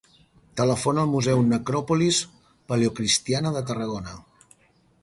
Telefona el museu Necròpolis Paleocristiana de Tarragona.